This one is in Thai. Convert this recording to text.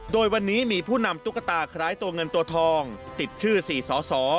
โดยวันนี้มีผู้นำตุ๊กตาคล้ายตัวเงินตัวทองติดชื่อ๔สอสอ